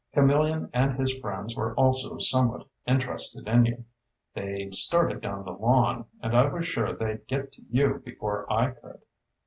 "Camillion and his friends were also somewhat interested in you. They started down the lawn, and I was sure they'd get to you before I could.